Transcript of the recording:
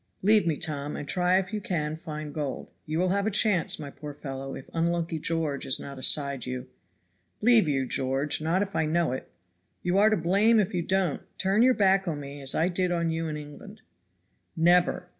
Leave me, Tom, and try if you can find gold; you will have a chance, my poor fellow, if unlucky George is not aside you." "Leave you, George! not if I know it." "You are to blame if you don't. Turn your back on me as I did on you in England." "Never!